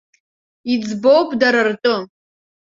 Иӡбоуп дара ртәы.